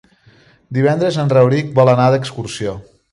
Divendres en Rauric vol anar d'excursió.